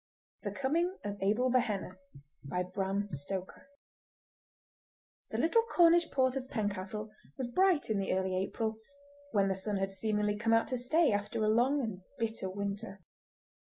The Coming of Abel Behenna The little Cornish port of Pencastle was bright in the early April, when the sun had seemingly come to stay after a long and bitter winter.